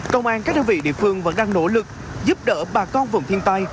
công an các đơn vị địa phương vẫn đang nỗ lực giúp đỡ bà con vùng thiên tai